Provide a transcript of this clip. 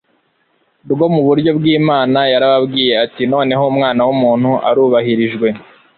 rwo mu buryo bw'Imana, yarababwiye ati : "Noneho Umwana w'umuntu arubahirijwe,